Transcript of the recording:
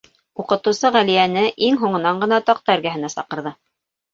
Уҡытыусы Ғәлиәне иң һуңынан ғына таҡта эргәһенә саҡырҙы.